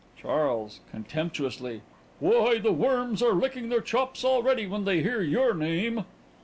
CHARLES: (Contemptuously) Why, the worms are licking their chops already when they hear your name.